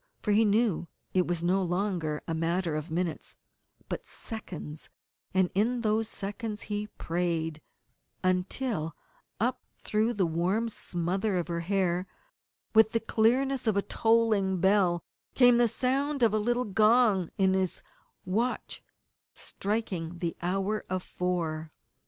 For he knew that it was no longer a matter of minutes, but of seconds, and in those seconds he prayed, until up through the warm smother of her hair with the clearness of a tolling bell came the sound of the little gong in his watch striking the Hour of Four!